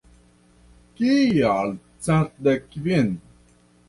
Kial cent dek kvin?